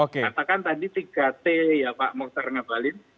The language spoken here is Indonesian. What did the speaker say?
katakan tadi tiga t ya pak moktar ngabdalin